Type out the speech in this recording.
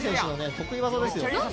得意技ですよ